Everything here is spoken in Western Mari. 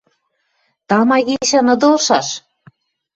Тама гишӓн ыдылшаш?